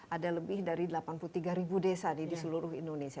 ada lebih dari delapan puluh tiga ribu desa di seluruh indonesia